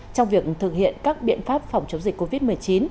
trong việc thực hiện các biện pháp phòng chống dịch covid một mươi chín